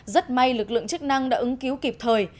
rất may lực lượng chức năng đã ứng cứu kịp thời